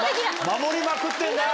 守りまくってんな。